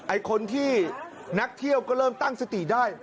ไอ้คนที่นักเที่ยวก็เริ่มตั้งสติได้